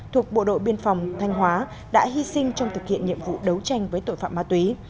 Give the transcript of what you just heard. thuộc bộ đội biên phòng thanh hóa đã hy sinh trong thực hiện nhiệm vụ đấu tranh với tội phạm ma túy